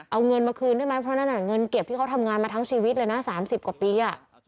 เอาเงินมาคืนได้ไหมเพราะนั่นเงินเก็บที่เขาทำงานมาทั้งชีวิตเลยนะ๓๐กว่าปี